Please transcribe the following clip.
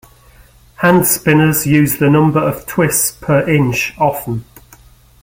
Handspinners use the number of twists per inch often.